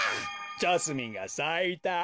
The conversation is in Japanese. ジャスミンがさいた。